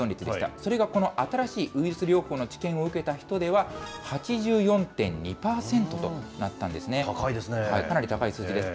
それがこの新しいウイルス療法の治験を受けた人では８４．２％と高いですね。